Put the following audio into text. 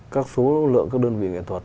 các số lượng các đơn vị ảnh thật